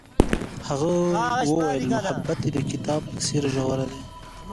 هغې وویل محبت یې د کتاب په څېر ژور دی.